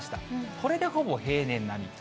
これでほぼ平年並み。